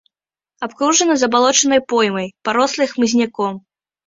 Абкружана забалочанай поймай, парослай хмызняком.